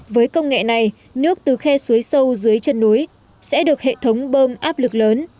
với công nghệ này nước từ khe suối sâu dưới chân núi sẽ được hệ thống bơm áp lực lớn